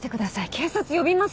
警察呼びますよ。